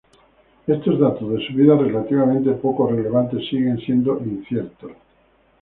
Estos datos de su vida, relativamente poco relevantes, siguen siendo inciertos.